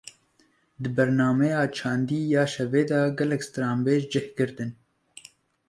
Di bernameya çandî ya şevê de gelek stranbêj cih girtin